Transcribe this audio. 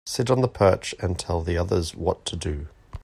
Sit on the perch and tell the others what to do.